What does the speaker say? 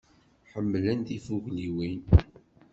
Ḥemmlen tifugliwin.